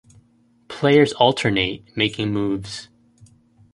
Players alternate making moves.